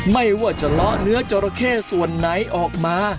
ไม่ว่าจะล้อเนื้อจรแค่ส่วนไหนออกมา